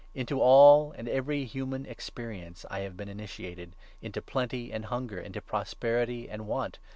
Into all and every human experience I have been initiated — into plenty and hunger, into prosperity and want.